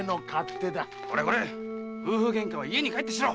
これ夫婦ゲンカは家に帰ってしろ！